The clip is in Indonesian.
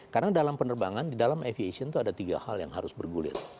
karena dalam penerbangan di dalam aviation itu ada tiga hal yang harus bergulir